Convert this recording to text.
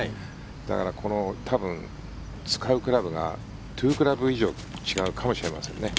だからこの多分、使うクラブが２クラブ以上違うかもしれませんね。